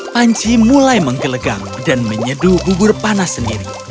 panci mulai menggelegang dan menyeduh bubur panas sendiri